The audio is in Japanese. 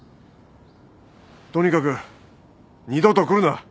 とにかく二度と来るな！